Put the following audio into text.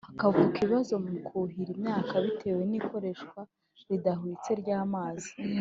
hakavuka ibibazo mu kuhira imyaka bitewe n’ikoreshwa ridahwitse ry’amazi